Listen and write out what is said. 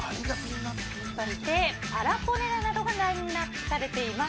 そして、パラポネラなどがラインアップされています。